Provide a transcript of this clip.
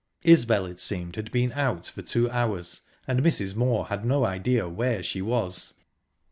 Isbel, it seemed, had been out for two hours, and Mrs. Moor had no idea where she was.